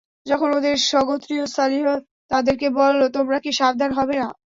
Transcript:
যখন ওদের স্বগোত্রীয় সালিহ তাদেরকে বলল, তোমরা কি সাবধান হবে না?